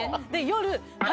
夜。